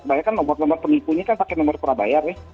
banyak kan nomor nomor pengikunya kan pakai nomor perbayar ya